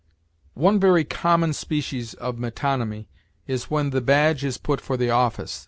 "One very common species of metonymy is, when the badge is put for the office.